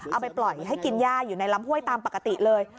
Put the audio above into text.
เอาไปปล่อยให้กินย่าอยู่ในลำห้วยตามปกติเลย